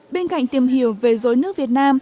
bên cạnh tìm hiểu về dối nước việt nam